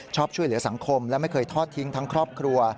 ช่วยเหลือสังคมและไม่เคยทอดทิ้งทั้งครอบครัว